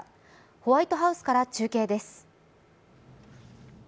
ホワイトハウスから中継です。